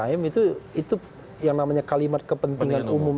itu yang namanya kalimat kepentingan umum